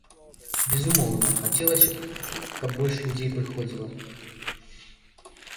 Безумоўна, хацелася б, каб больш людзей прыходзіла.